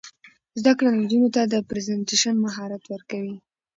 زده کړه نجونو ته د پریزنټیشن مهارت ورکوي.